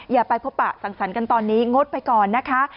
อย่าไปพบปะสังสรรค์กันตอนนี้งดไปก่อนนะคะ